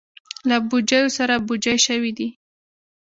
له بوجیو سره بوجۍ شوي دي.